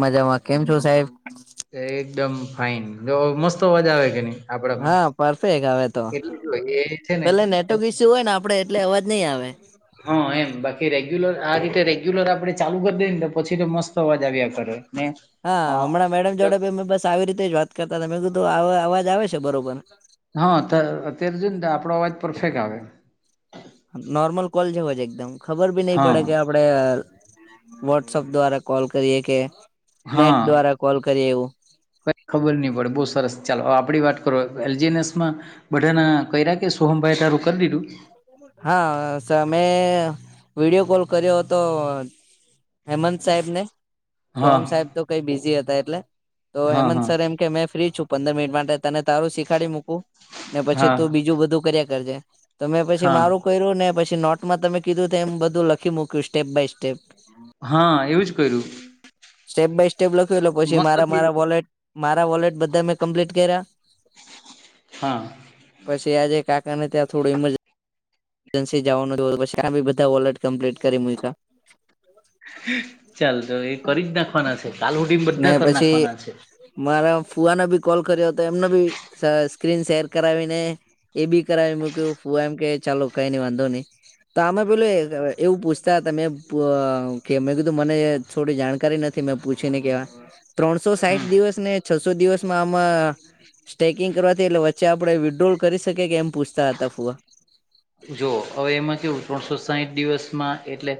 મજામા કેમ છો સાહેબ? એકદમ ફાઈન જો મસ્ત અવાજ આવે કે ની હા પર્ફેક અવે તો જો એ છે ને પેલે નેટવર્ક ઈસ્યુ હોય ને આપડે એટલે અવાજ નઈ આવે હા એમ બાકી રે રેગ્યુલર આ રીતે રેગ્યુલર આપડે ચાલુ કરી દઈ ને તો પછી તો મસ્ત અવાજ આવ્યા કરે ને હા અ હમણાં મેડમ જોડે મે બસ આવી રીતે જ વાત કરતા તા મે કીધું અવાજ આવે છે બરોબર હા ત અત્યારે જો ને આપડો અવાજ પરફેક્ટ આવે નોર્મલ કોલ જેવો જ એકદમ ખબર બી નહી હા પડે કે આપડે વોટ્સઅપ દ્વારા કોલ કરીએ કે નેટ હા દ્વારા કોલ કરીએ એવું કઈ ખબર નહી પડે બહુ સરસ ચાલો આપડી વાત કરો એલ જી નેસ માં બધાના કયરા કે સોહમભાઈ તારું કરી દીધું હા સરમે વિડીયો કોલ કર્યો હતો હેમંત સાહેબ ને હા સોહમ સાહેબ તો કઈ બિઝી હતા એટલે તો હા હેમંત હા સર એમ કે મેં ફ્રી છુ પંદર મિનિટ માટે તને તારું શીખાડી મૂકું ને પછી હા તું બીજું બધું કર્યા કરજે તમે છી હા મારું કર્યું ને પછી નોટમાં તમે કીધું તેમ બધું લખી મૂક્યું સ્ટેપ બાય સ્ટેપ હા એવું જ કર્યું સ્ટેપ બાય સ્ટેપ લખ્યું એટલે પછી મસ્ત મારા થઈ મારા જાય વોલેટ મારા વોલેટ બધા મેં કમ્પ્લીટ કર્યા હા પછી આજે કાકાને ત્યાં થોડું એમજ એનસી જાવાનું હતું એટલે પછી તા બી બધાં વોલેટ કમ્પ્લીટ કરી મૂયકા ચાલ તો એ કરી જ નાખવાના છે કાલ હુધીમ બધા નઈ કરી પછી નાખવાના છે મારા ફુવાનો બી કોલ કર્યો તો એમનો બી સ સ્ક્રીન શેર કરાવીને એ બી કરાવી મૂક્યું ફુવા એમ કે ચાલો કાઈ નઈ વાંધોની તો આમે પેલું એવું પૂછતા હતા મેં કે મેં કીધું મને થોડી જાણકારી નથી મેં પૂ છીને કેવા ત્રણસો હમ સાઈઠ દિવસ ને છસો દિવસમાં માં સ્ટેકિંગ કરવાથી એટલે વચ્ચે આપડે વિથડ્રોલ કરી શકીએ કે એમ પૂછતા હતા ફુવા સાઈઠ દિવસમાં એટલે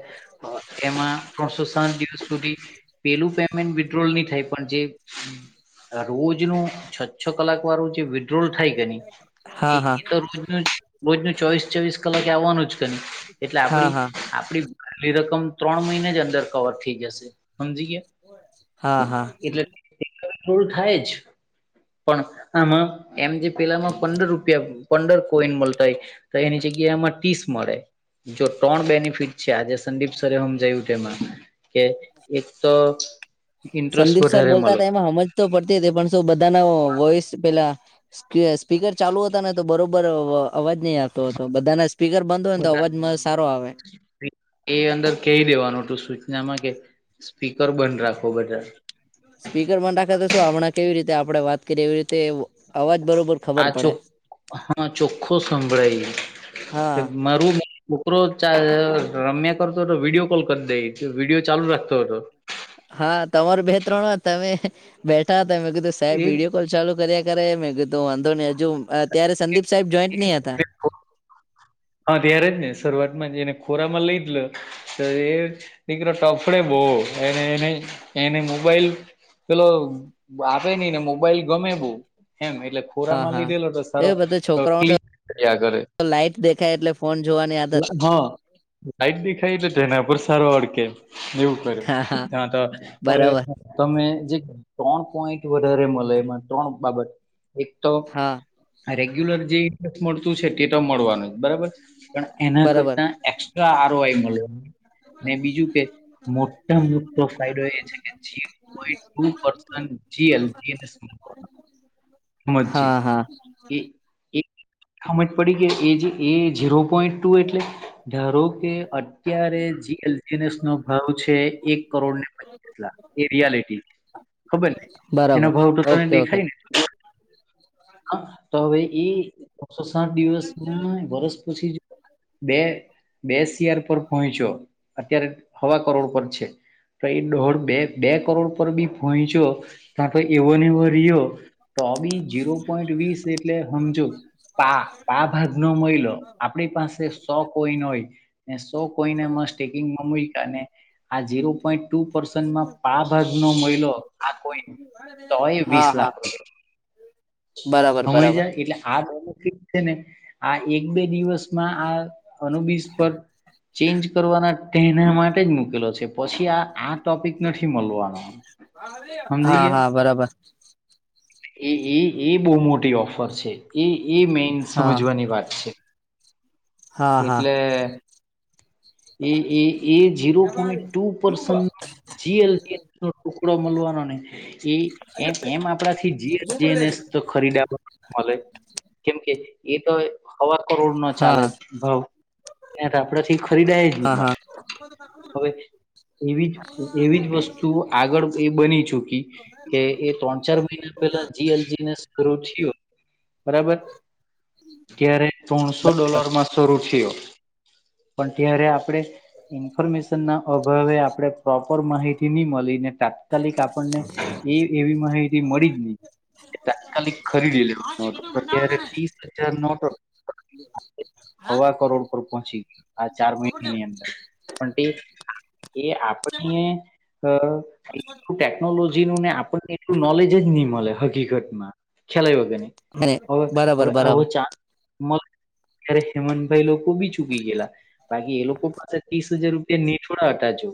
અ એમાં ત્રણસો સાઠ દિવસ સુધી પેલું પેમે વિથડ્રોલ ની થાય પણ જે અ રોજનું છ છ કલાક વારું જે વી ડ્રોલ થાય કે ની હા એ હા એતો રોજનું રોજનું ચોવીસ ચોવીસ કલાકે આવવાનું જ કે ની એટલે હા આપડી હા આપડી ખાલી રકમ ત્રણ મહિને જ અંદર કવર થઇ જશે હમજી ગયા? હા હા થોડું થાય જ પણ આમાં એમ જે પેલામાં પંદર રૂપિયા પંદર કોઈન મલતા એ તો એની જગ્યા આમાં તીસ મળે. જો ત્રણ બેનિફિટ છે, આજે સંદીપ સરે હમજાયું તેમાં કે એક તો ઇન્ટરેસ્ટ સંદીપ સર વધારે બોલતા મળે તા એમાં હમજ તો પડતી તી પણ શું બધાના વોઈસ પેલા સ્પી સ્પીકર ચાલુ હતા ને તો બરોબર અવાજ ની આવતો હતો બધાના સ્પીકર બંધ હોય ને તો બધા અવાજમાં સારો આવે એ અંદર કહી દેવાનું તો સૂચનામાં કે સ્પીકર બંધ રાખો બધાં. સ્પીકર બંધ રાખે તો શું હમણાં કેવી રીતે આપડે વાત કરીએ એવી રીતે વો આ ચોખ હા ચોખ્ખો સંભળાય તે હા મારું છોકરો ચા રમ્યા કરતો તો વિડીયો કોલ કર દેય વિડિયો ચાલુ રાખતો હતો હા તમારું બે ત્રણ વાર તમે બેઠા હતા મેં કીધું સાહેબ એ વિડીયો કોલ ચાલુ કર્યા કરે મેં કીધું વાંધો નહીં હજુ અ ત્યારે સંદીપ સાહેબ જોઈન્ટ નહી [inaudible] હતા હહ ત્યારે જ ને શરૂઆતમાં જ એને ખોરામાં લઈ જ લે તો એ દીકરો ટફડે બોવ એને એને એને મુ મોબાઈલ પેલો આપે નઈ ને મોબાઈલ ગમે બહુ. એમ એટલે હા ખોરામાં હા લીધેલો તો સરો એ બધા છોકરાઓ તો તકલીફ કર્યા કરે. લાઈટ દેખાય એટલે ફોન જોવાની આદત એ હહ [inaudible] સાઈડ દેખાઈ તો તેના પર સારો અડકે. એવું કર્યું, હા હા ત્યાં તો હવે બરાબર તમે જે ત્રણ પોઈન્ટ વધારે મલે એમાં ત્રણ બાબત એક તો હા રેગ ગ્યુલર જે ઇન્ટરેસ્ટ મળતું છે તે તો મળવાનું જ બરાબર. પણ એના બરાબર કરતાં એક્સ્ટ્રા આરો આઈ મલે. ને બીજું કે મોટામાં મોટો ફાયદો એ છે કે જે લોકોએ ટુ પર્સન જીએલ જીએનેસ મૂકવાના હા હા [inaudible] એ એ હમજ પડી ગઈ એ જે એ ઝીરો પોઈન્ટ ટુ એટલે ધારો કે અત્યારે જીએલ ટી નેસનો ભાવ છે એક કરોડ ને [inaudible] એટલા એ રિયાલિટી ખબર ને એનો બરાબર ભાવ તો તને ઓકે ઓકે દેખાયને? હા તો હવે એ એકસો સાઠ દિવસમાં વરસ પછી જો બે બે સીઆર પર પહોંચ્યો, અત્યારે હવા કરોડ ઉપર છે. તો ઈ દોઢ બે બે કરોડ પર બી પોયચો તા તો એવો ને એવો રિયો તોબી જીરો પોઈન્ટ વીસ એટલે હમજો પા પા ભાાગ નો મળિલો આપણી પાસે સો કોઈન હોય સો કોઈને અ સ્ટર્લિંગ માં મુંઈકા અને આ જે ઉપડે ટુ પરશન માં પા ભાગ નો મહિલો આ કોઈ તોય વીસ લાખ રૂપિયા હમ હમયજા એટલે આ છે ને આ એક બે દિવસમાં આ અનુબીસ પર ચેન્જ કરવાના તેના માટે જ મુકેલો છે પછી આ આ ટોપિક નથી મળવાનો સમજી હા ગયા હા બરાબર એ એ એ બહુ મોટી ઓફર છે એ એ મેન હા સમજવાની વાત છે હા હા એટલે એ એ એ ઝીરો પોઈન્ટ ટુ પરશન જીએલ નો ટુકડો મળવાનો ને એ એમ આપણાથી જીએન્સ ખરીદ્યા મળે કેમકે એ તો હવા કરોડ નો ચાલે હા ભાવ એન્ડ આપડે થી ખરીદાય જ નહી હા હા મારે હવે એવી જ એવી જ વસ્તુ આગળ એ બની ચુકી કે એ ત્રણ ચાર મહિના પેલા જીએલજી ને શ ને પૂરું થયું બરાબર ત્યારે ત્રણસો ડોલર માં શરૂ થયો પણ ત્યારે આપણે ઈન્ફોર્મેશન ના અભાવે આપણે પ્રોપર માહિતી ની મળી મળી ને તાત્કાલિક આપણને એ એવી માહિતી મળી જ નહી તાત્કાલિક ખરીદી લેવાનું નટ તો અત્યારે ત્રીસ હજાર નોટો હવા કરોડ પર પહોંચી ગયો આ ચાર મહિનાની અંદર પણ તે આ એ આપણને અ એલું ટેકનોલોજી નું ને આપણને એટલું નોલેજ જ નહી મળે હકીકત માં ખલાાય આયવો કે ની અને હવે બરાબર હવે આવો બરાબર ચાન્સ ત્યારે હેમંતભાઈ લોકો બી ચૂકી ગયેલા બાકી એ લોકો પાછા ત્રીસ હજાર રૂપિયા નેઠળ હટાજો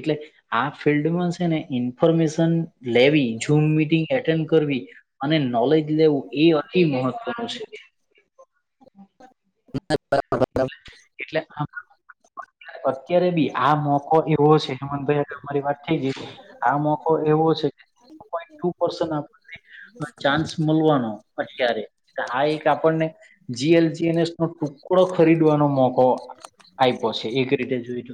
એટલે આ ફિલ્ડમાં છે ને ઇન્ફોર્મેશન લેવી છુંમ મિટંગ એટેન્ડ કરવી અરે અને નોલેજ લેવું એ અતિ મહત્વનું છે એટલે આ અત્યારે બી આ મોકો એવો છે હેમંતભાઈ અમારી વાત થઈ જઈ આ મોકો એવો છે ટુ પોઈન્ટ ટુ પર્સન આપણને ચાન્સ મળવાનો અત્યારે આ એક આપણને જીએલજીસ ટુ ટુકડો ખરીદવાનો મોકો આયપો છે એક રીતે જોઈજ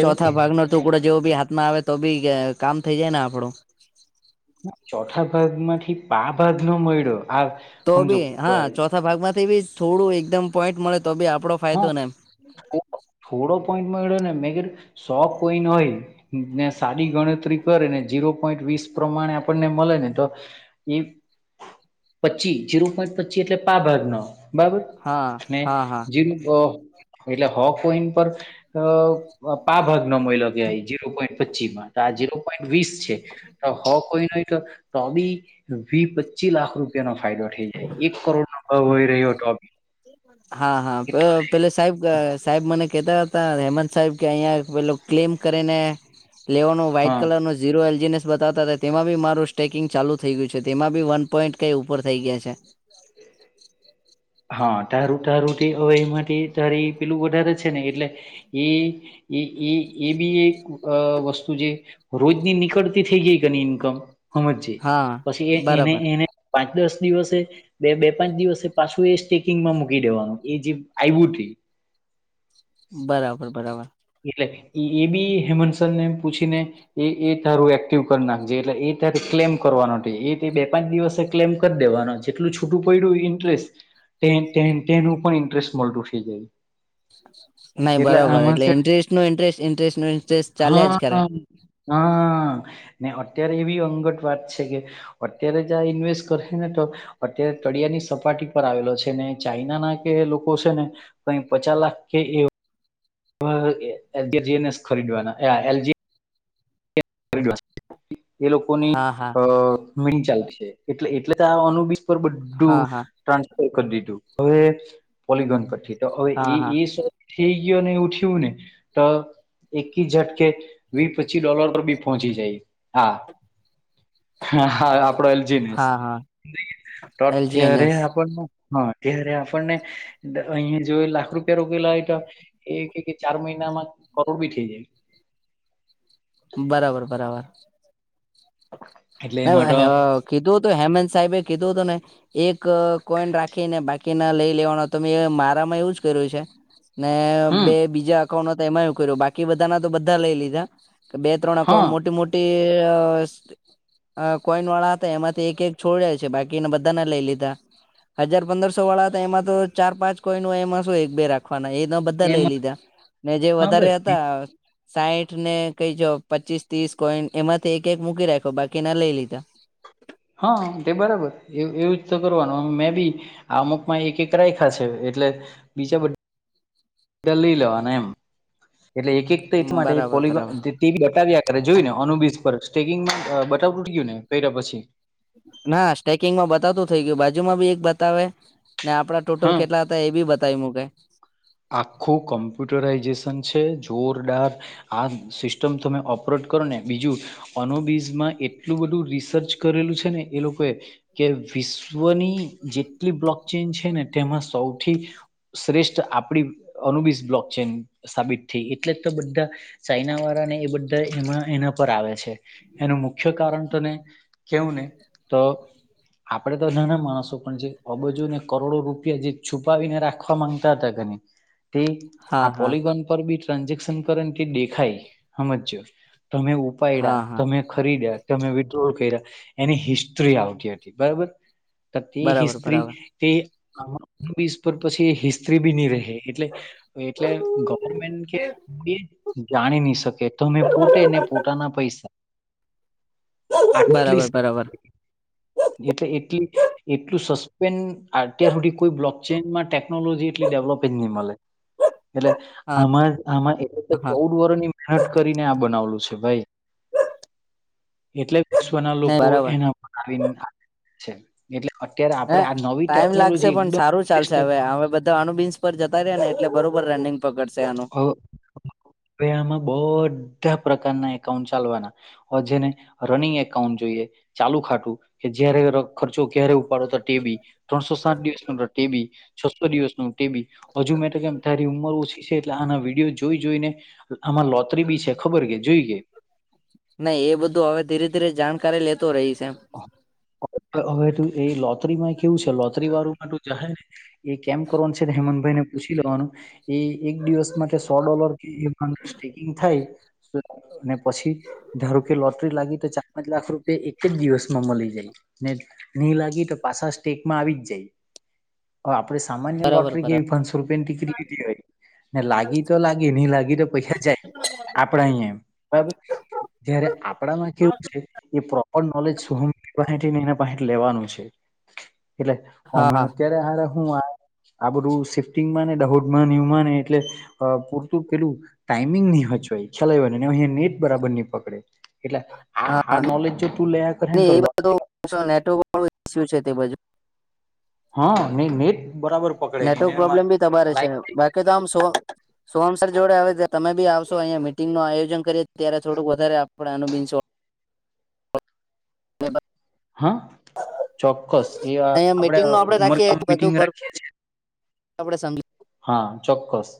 ચોથા ભાગ નો ટુકડો જેવો બી હાથમાં આવે તો બી કામ થઈ જાય ને આપડુ ચોથા ભાગ માંથી પા ભાગ નો મળડો તો બી હા ચોથા ભાગ માંથી બી થોડું એકદમ પોઈન્ટ મળે તો બી આપડો હા ફાયદો ને એમ થોડો થોડો પોઈન્ટ મળેને મેં કીધું સો કોઈન હોય ને સાદી ગણતરી કરે ને જીરો પોઈન્ટ વીસ પ્રમાણે આપણને મળે ને તો એ પચી જીરો પોઈન્ટ પચી એટલે પા ભાગ નો બરાબર હા અને હા હા એટલે હો કોઈન પર પા ભાગ ન મળલો કેવાય જે જીરો પોઈન્ટ પચીમાં તો આ જીરો પોઈન્ટ વીસ છે તો હો કોઈન હોય ટોબી પચી લાખ રૂપિયાનો ફાયદો થઈ જાય એક કરોડ નો ભાવ હોય રહ્યો હતો હ પેલે સાહેબ સાહેબ કેતા હતા હેમંત સાહેબ કે અહિંયા પેલું ક્લેમ કરીને લેવાનો વ્હાઈટ હા કલર નો ઝીરો એલજીને બતા હતા તેમાં બી મારું સ્ટેકિંગ ચાલુ થઈ ગયું છે તેમાં બી વન પોઈન્ટ કંઈ ઉપર થઈ ગયા છે છે [inaudible] હા તારું તારું હવે એમાં તારી પેલું વધારે છે ને એટલે એ એ એ એ બી એક વસ્તુ જે રોજની નીકળતી થઈ ગઈ કેની ઇન્કમ સમજ હા પછી એ એને બરાબર એને પાંચ દસ દિવસે બે બે પાંચ દિવસે પાછ એ સ્ટેકિંગમાં મૂકી દેવાનું એ જે આયવુ બરાબર બરાબર એટલે એ બી હેમંતસર ને પૂછીને એ એ તારું એક્ટિવ કરી નાખજે એટલે એ ત ક્લેમ કરવાનો એ તે બે પાંચ દિવસે ક્લેમ કરી દેવાનો જેટલું છૂટું પડ્યું ઇન્ટરેસ્ટ ટેન ટેન ટેન ઉપર ઇન્ટરેસ્ટ મળતું થઈ જાય. નઈ બરોબર આમાં એટલે છે ઇન્ટરેસ્ટ નુ ઇન્ટરેસ્ટ ઇન્ટરેસ્ટ નુ ઇન્ટરેસ્ટ ચલ્યા જ હા કરે. હા. ને અત્યારે એવી અંગત વાત છે કે અત્યારે જ ઇન્વેસ્ટ કરે ને તો અત્યારે ત તળિયા ની સપાટી પર આવેલો છે ને ચાઈના ના કે લોકો છે ને કઈ પચા લાખ કે એ માં L G G N S ખરીદવાના આ એલજી [unintelligible] હા હા. મી ચાલશે એટલે એટલે તો આ અનુબી પર બધું હા હા ટ્રાન્સ [unintelligible] દીધું હવે પોલીગન કર તો હવે હા એ હા એ સો થી ઉઠ્યું ને એવું થયું ને તો એકીઝટકે વીસ પચી ડોલર નો બી પહોંચી જાય હા. હ આપડો એલ જી નેસ હા હા તો અત્યારે એલજીએનએસ આપણ નો હા ત્યારે આપણને અહીયાં જો લાખ રૂપિયા રોકેલા હોય તો એક ચાર મહિના એના માં કરોર બી થઈ જાય. [inaudible] બરાબર બરાબર એટલે એમાં તો [unintelligible] કીધું તો હેમંત સાહેબે કીધું હતું ને એક કોઈન રાખીને બાકીના લઈ લેવાનો તો મે મારામાં એવુંજ કર્યું છે. ને હમ બે બીજા એકાઉન્ટ તો એમાં એવ કર્યું બાકી બધાના તો બધા લઈ લીધા કે બે ત્રણ હા અકાઉન્ટ મોટી મોટી એ અ કોઈન વાળા હતા એમાંથી એક એક છોડ્યા છે બાકીના બધાના લઈ લીધા. હજાર પંદરસો વાળા હતા એમાં તો ચાર પાંચ કોઈન એમાં શું એક બે રાખ આન એ ના બધા લઈ એમાં લીધા ને જે હા વધારે બસ હતા સાઇઠ ને કઈ જો પચીસ ત્રીસ કોઈન એમાંથી એક એક મૂકી રાખો બાકીના લઈ લીધા. હા તે બરાબર એ એવું જ તો કરવાનું મેં બી અમુકમાં એક એક રાયખા છે. એટલે બીજા બધ કા લઈ લેવાના એમ એટલે એક એક તો એટ માટે બરાબર પોલી બરાબર બતાાવ્યા ત્યારે જોયું ને ઓનુબી [unintelligible] બતાવતું ગયું ને કર્યા પછી. ના સ્ટેકિંગમાં બતાવતું થઇ ગયું બાજુમાં બી એક બતાવે ને આપડા ટોટલ હા કેટલા હતા એ બી બતાવી મુકે. આખું કોમ્પ્યુટરાઈઝેશન છે જોરદાર આ સિસ્ટમ તમે ઓપરેટ કરો ને બીજું અનુબીઝમાં એટલું બધું તું રિસર્ચ કરેલું છે ને એ લોકોએ કે વિશ્વની જેટલી બ્લોક ચેન છે. ને તેમાં સૌથી શ્રેષ્ઠ આપ આપડી અનુબીઝબ્લોક ચેન સાબિત થઈ ગઈ એટલે તો બધા ચાઈના વાળા ને એ બધા એમાં ના એના પર આવે છે એનું મુખ્ય કારણ તને કેવું ને તો આપડે તો નાના માણસો પણ જે અબજુને કરોડો રૂપિયા જે છુપાવીને રાખવા માંગતા હતા ઘને તે હા આ હા પોલીગોન પર બી ટ્રાન્ઝેક્શન કરે ને તે દેખાય હમજજો. તમે હા ઉપાયડયા હા તમે ખરીદ્યા તમે વિડ્રો કર્યા એની હિસ્ટ્રી આવતી હતી બરાબર. તે બરાબર હિસ્ટ્રી બરાબર તે આમ વિશ પર પછી હિસ્ટ્રી બી નહી રહે. એટલે એટલે ગવર્મેન્ટ કે જાણી નહી શક કે તો મેં પૂટે ને પૂટાના પૈસા આટલી બરાબર બરાબર એટલે એટલી એટલું સસ્ત [unintelligible] અત્યાર હુંધી કોઈ બ્લોક ચેઇનમાં ટેકનોલોજી એટલી ડેવલોપ પિન ની મલે એટલે હા આમાર આમાં એટલે તો હા ચૌદ વર્ષ ની મહેનત કરીને આ બનાવલું છે ભાઈ. એટલે વિશ્વના નહી લોકો બરાબર એના પર આવીને છે એટલે અત્યારે હે આપણે આ નવી ટાઈમ લાગશે ટેકનોલોજી પણ એકદમ સારું ચાલશે લેટેસ્ટ હવે હવે બધાનું બીન જતા રહ્યા ને એટલે બરોબર રનિંગ પકડશે આનું હ હવે આમાં બધા પ્રકારના એકાઉન્ટ ચાલવાના, જેને રનિંગ એકાઉન્ટ જોઈએ ચાલુ ખાટું કે જારે ખર્ચો ક્યારે ઉપાડો તખ ટેબી, ત્રણસો સાત દિવસ ન ટેબી, છસો દિવસ ન ટેબી હજુ મેં તો કેમ તારી ઉંમર ઓછી છે એટલે આના વિડીયો જોઈ જોઈને આમાં લોતરી ભી છે ખબર કે જોઈ કે નહી એ બધું હવે ધીરે ધીરે જાણકારી લેતો રહીશ એમ હવે તું એ લોતરીમાં કેવું છે, લોતરીવાળુંમાં તું જહે ને એ કેમ કરવાનું છે, હેમંતભાઈ ને પૂછી લેવાનું એ એક દિવસ માટે સો ડોલર સ્ટેકિંગ થાય પછી ધારો કે લોટરી લાગી તો ચાર પાંચ લાખ રૂપે એક એક જ દિવસમાં મળી જાય ને, નહી લાગી તો પાછા સ્ટેકમાં આવી જ જાય. હ આપડે સામાન્ય બરાબર લોટરી બરાબર કેવી પાંચસો રૂપિયા ની ટિકિટ લીધી હોય ને લાગી તો લાગી નહી લાગી તો પૈસા જાય આપડે અહયા એ બરાબર જયારે આપડામાં કેવું છે એ નોલેજ [inaudible] લેવાનું છે એટલે હા અમે હા અત્યારે હારે હું આ બધું સિફ્ટિંગમાં ને દહોદમાં નમાં ને એટલે પૂરતું પેલું ટાઈમિંગ નહ હોય [unintelligible] અહીંયા નેટ બરાબર પકડે આ આ નોલેજ તું લયા કરે ને એ તો બાધ નેટવર્ક વાળો ઇસ્યુ છે તે બાજુ. હા નહીં મે નેટવર્ક પ્રોબ્લેમ ભી તમારે છે લાઈટ બાકી તો આમ શો સોહમસર જોડે હવે તમે ભી આવશો અંયા મીટિંગનું આયોજન કરીએ ત્યારે થોડુક વધારે આપણે અનુ બીન શો હા ચોક્કસ એ અહીંયા આપડે મિટિંગનું આપડે રાખીએ ઉમરગામ બધું મીટિંગ પર રાખીએ છિએ. આપડે સમ હા ચોક્કસ